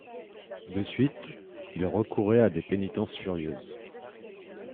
De suite, ils recouraient à des pénitences furieuses.